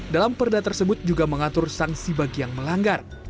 dalam perda tersebut juga mengatur sanksi bagi yang melanggar